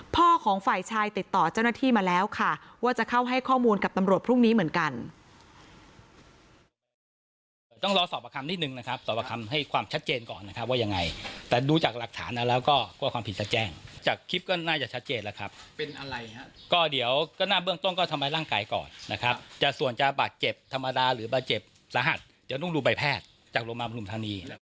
พ่อของฝ่ายชายติดต่อเจ้าหน้าที่มาแล้วค่ะว่าจะเข้าให้ข้อมูลกับตำรวจพรุ่งนี้เหมือนกัน